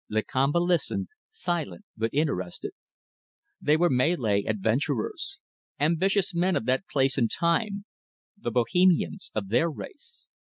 Lakamba listened, silent but interested. They were Malay adventurers; ambitious men of that place and time; the Bohemians of their race.